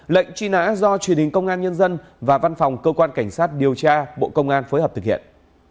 lệnh truy nã do truyền hình công an nhân dân và văn phòng cơ quan cảnh sát điều tra bộ công an phối hợp thực hiện